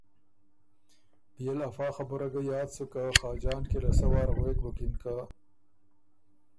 بيې ل افا خبُره ګه یاد سُک که خاجان کی له سۀ وار غوېک بُکِن که ”